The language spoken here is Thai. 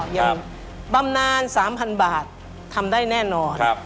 บำนาน๓๐๐๐บาททำได้แน่นอน